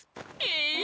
ええ！